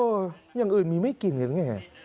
โอ้อย่างอื่นมีไม่กินเหมือนกันไง